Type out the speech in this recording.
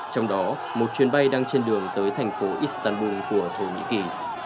trong đó một chuyến bay đang trên đường tới thành phố istanbul của thổ nhĩ kỳ